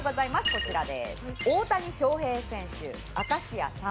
こちらです。